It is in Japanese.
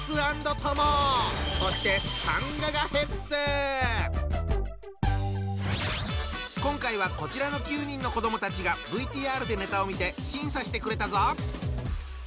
そして今回はこちらの９人の子どもたちがＶＴＲでネタを見て審査してくれたぞ！